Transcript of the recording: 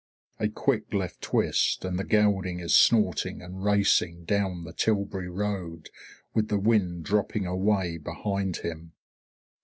A quick left twist, and the gelding is snorting and racing down the Tilbury road with the wind dropping away behind him.